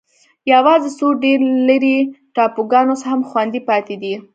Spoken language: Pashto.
یوازې څو ډېر لرې ټاپوګان اوس هم خوندي پاتې دي.